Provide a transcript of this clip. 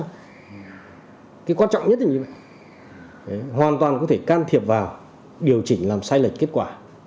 cái quan trọng nhất là như vậy hoàn toàn có thể can thiệp vào điều chỉnh làm sai lệch kết quả